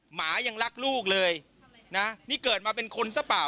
หมายังรักลูกเลยนะนี่เกิดมาเป็นคนซะเปล่า